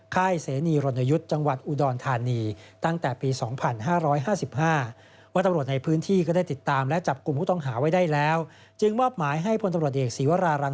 ค่ายเสนีรนยุทย์จังหวัดอุดอนทานีตั้งแต่ปี๒๕๕๕